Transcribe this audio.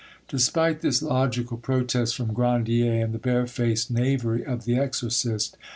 Despite this logical protest from Grandier and the barefaced knavery of the exorcist, M.